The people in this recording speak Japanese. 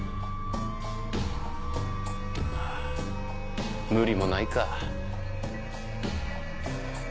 まぁ無理もないか。